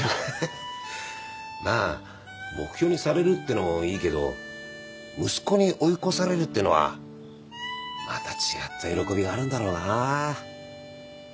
まあ目標にされるってのもいいけど息子に追い越されるってのはまた違った喜びがあるんだろうな。